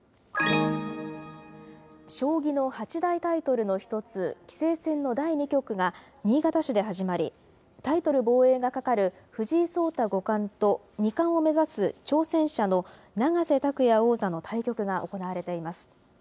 将棋の八大タイトルの１つ、棋聖戦の第２局が新潟市で始まり、タイトル防衛がかかる藤井聡太五冠と、２冠を目指す挑戦者の永瀬拓矢王座の対局が行われています。